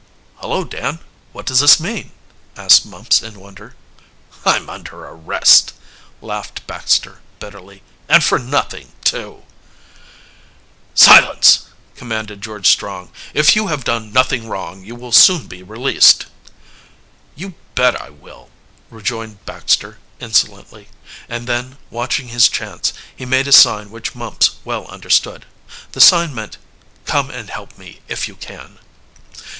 "Hullo, Dan, what does this mean?" asked Mumps in wonder. "I'm under arrest," laughed Baxter bitterly. "And for nothing, too." "Silence!" commanded George Strong. "If you have done nothing wrong, you will soon be released." "You bet I will," rejoined Baxter insolently, and then, watching his chance, he made a sign which Mumps well understood. The sign meant "Come and help me if you can."